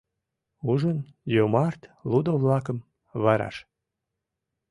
Ужын йомарт лудо-влакым, вараш